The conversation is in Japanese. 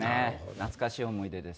懐かしい思い出です。